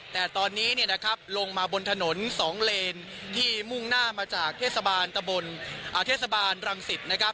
แต่ตอนนี้ลงมาบนถนนสองเลนที่มุ่งหน้ามาจากเทศบาลรังสิต